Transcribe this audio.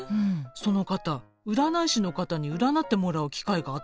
その方占い師の方に占ってもらう機会があったらしいのよ。